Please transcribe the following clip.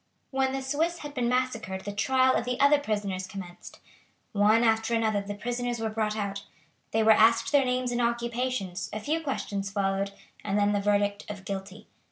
When the Swiss had been massacred the trial of the other prisoners commenced. One after another the prisoners were brought out. They were asked their names and occupations, a few questions followed, and then the verdict of "Guilty."